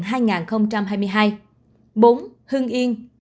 bốn hương yên